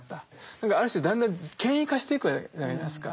だからある種だんだん権威化していくじゃないですか。